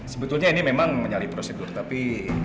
sebetulnya ini memang menyalip prosedur tapi